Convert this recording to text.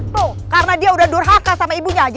tuh karena dia udah durhaka sama ibunya aja